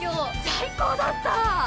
最高だったー！